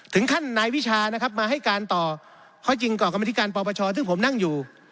ท่านนายวิชานะครับมาให้การต่อข้อจริงต่อกรรมธิการปปชซึ่งผมนั่งอยู่